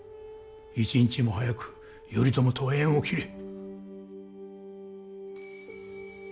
一日も早く頼朝とは縁を切れ。